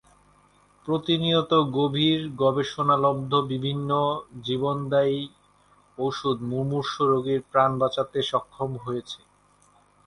প্রতিনিয়ত গভীর গবেষণালব্ধ বিভিন্ন জীবনদায়ী ওষুধ মুমূর্ষু রোগীর প্রাণ বাঁচাতে সক্ষম হয়েছে।